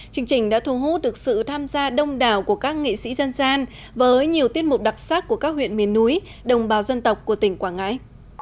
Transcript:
chương trình đã thu hút được sự tham gia đông đảo của các nghệ sĩ dân gian với nhiều tiết mục đặc sắc của các huyện miền núi đồng bào dân tộc của tỉnh quảng ngãi